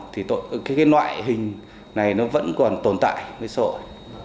thì cái loại hình này nó vẫn còn tồn tại với xã hội